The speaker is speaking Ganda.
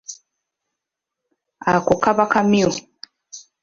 Ako kaba kamyu.